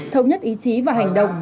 thông nhất ý chí và hành động